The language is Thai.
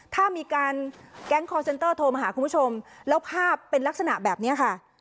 ถ้ามีการแก๊งคอร์เซ็นเตอร์โทรมาหาคุณผู้ชมแล้วภาพเป็นลักษณะแบบนี้ค่ะ